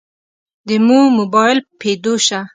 دمو مباييل پيدو شه.